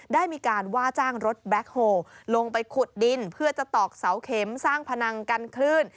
ได้มีการว่าจ้างรถแบ็คโฮลลงไปขุดดินเพื่อจะตอกเสาเข็มสร้างพนังกันคลื่น